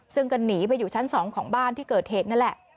ซึ่งก็หนีไปอยู่ชั้น๒ของบ้านที่เกิดเหตุนั่นแหละ